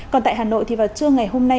còn tại hà nội thì vào trưa ngày hôm nay